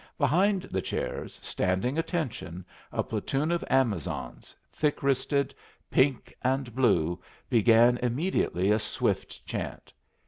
Behind the chairs, standing attention, a platoon of Amazons, thick wristed, pink and blue, began immediately a swift chant.